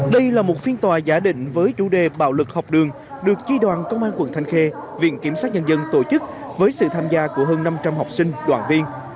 đây là một phiên tòa giả định với chủ đề bạo lực học đường được chi đoàn công an quận thanh khê viện kiểm sát nhân dân tổ chức với sự tham gia của hơn năm trăm linh học sinh đoàn viên